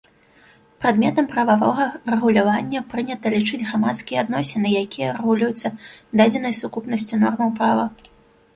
Прадметам прававога рэгулявання прынята лічыць грамадскія адносіны, якія рэгулююцца дадзенай сукупнасцю нормаў права.